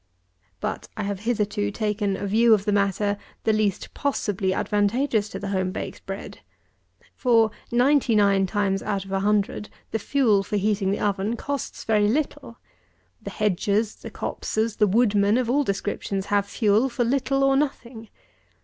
But I have hitherto taken a view of the matter the least possibly advantageous to the home baked bread. For, ninety nine times out of a hundred, the fuel for heating the oven costs very little. The hedgers, the copsers, the woodmen of all descriptions, have fuel for little or nothing.